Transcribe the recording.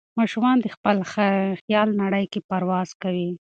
ماشومان د خپل خیال نړۍ کې پرواز کوي.